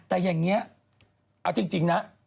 แต่อย่างนี้เอาจริงนะ